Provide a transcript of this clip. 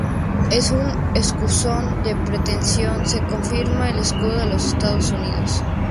En un escusón de pretensión se confirma el escudo de los Estados Unidos.